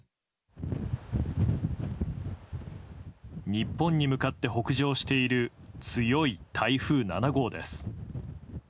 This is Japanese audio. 日本に向かって北上している強い台風７号です。